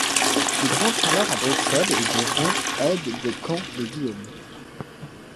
Il rentre alors à Bruxelles et devient aide de camp de Guillaume.